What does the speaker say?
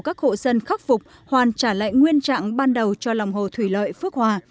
các hộ dân khắc phục hoàn trả lại nguyên trạng ban đầu cho lòng hồ thủy lợi phước hòa